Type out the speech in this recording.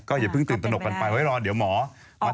ก็อย่าเพิ่งตื่นตนกกันไปเพราะว่าเดี๋ยวหมอออกไป